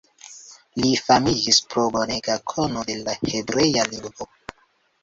Li famiĝis pro bonega kono de la hebrea lingvo.